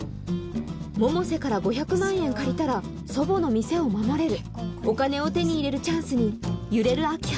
百瀬から５００万円借りたら祖母の店を守れるお金を手に入れるチャンスに揺れる明葉